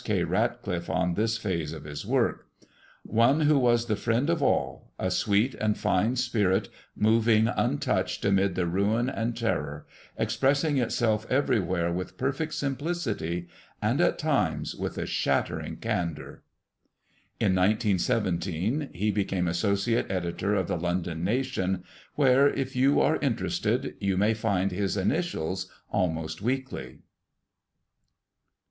K. Ratcliffe on this phase of his work: "One who was the friend of all, a sweet and fine spirit moving untouched amid the ruin and terror, expressing itself everywhere with perfect simplicity, and at times with a shattering candor." In 1917 he became associate editor of the London Nation, where, if you are interested, you may find his initials almost weekly.